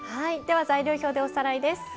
材料表でおさらいです。